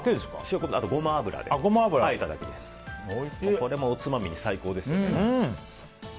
これもおつまみに最高ですね。